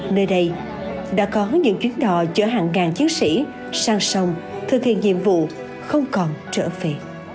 nơi đây đã có những chuyến đò chở hàng ngàn chiến sĩ sang sông thực hiện nhiệm vụ không còn trở về